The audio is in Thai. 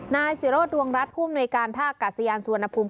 นายศิโรธดวงรัฐผู้อำนวยการท่ากาศยานสุวรรณภูมิ